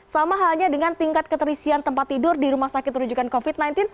sama halnya dengan tingkat keterisian tempat tidur di rumah sakit rujukan covid sembilan belas